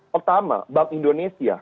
pertama bank indonesia